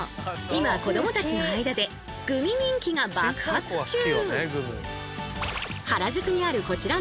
今子どもたちの間でグミ人気が爆発中！